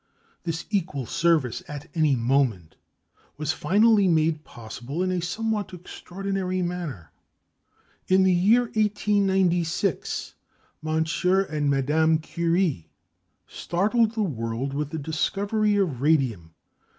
This equal service at any moment was finally made possible in a somewhat extraordinary manner. In the year 1896, Monsieur and Madame Curie startled the world with the discovery of radium.